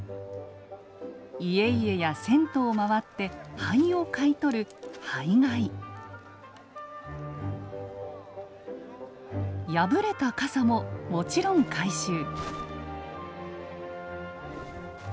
家々や銭湯を回って灰を買い取る破れた傘ももちろん回収。